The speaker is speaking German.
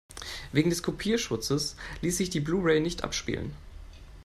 Wegen des Kopierschutzes ließ sich die Blu-ray nicht abspielen.